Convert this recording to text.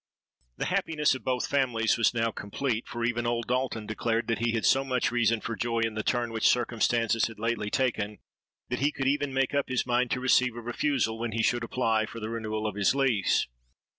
"The happiness of both families was now complete; for even old Dalton declared that he had so much reason for joy in the turn which circumstances had lately taken, that he could even make up his mind to receive a refusal when he should apply for the renewal of his lease.